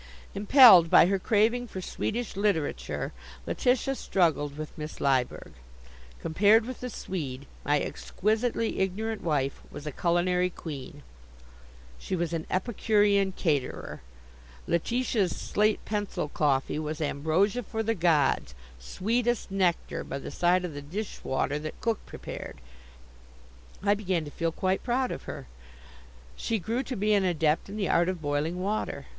Impelled by her craving for Swedish literature, Letitia struggled with Miss Lyberg. Compared with the Swede, my exquisitely ignorant wife was a culinary queen. She was an epicurean caterer. Letitia's slate pencil coffee was ambrosia for the gods, sweetest nectar, by the side of the dishwater that cook prepared. I began to feel quite proud of her. She grew to be an adept in the art of boiling water.